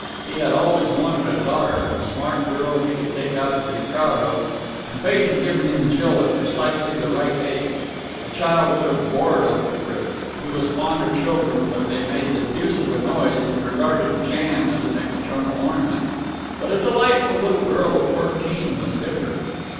He had always wanted a daughter, a smart girl he could take out and be proud of; and fate had given him Jill at precisely the right age. A child would have bored Uncle Chris he was fond of children, but they made the deuce of a noise and regarded jam as an external ornament but a delightful little girl of fourteen was different.